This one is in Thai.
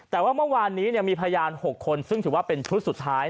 แต่ว่าเมื่อวานนี้มีพยาน๖คนซึ่งถือว่าเป็นชุดสุดท้าย